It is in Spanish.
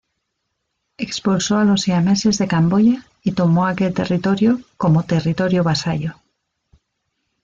Expulsó a los siameses de Camboya y tomó aquel territorio como territorio vasallo.